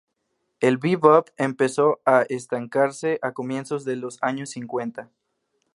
El bebop empezó a estancarse a comienzos de los años cincuenta.